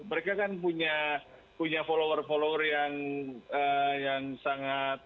mereka kan punya teman teman yang sangat